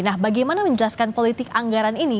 nah bagaimana menjelaskan politik anggaran ini